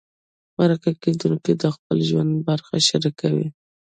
مرکه کېدونکی د خپل ژوند برخې شریکوي.